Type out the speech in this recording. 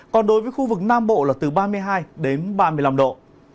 còn đối với khu vực nam bộ là từ ba mươi hai đến ba mươi năm độ